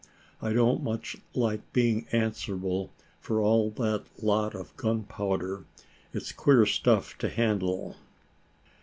I don't much like being answerable for all that lot of gunpowder it's queer stuff to handle."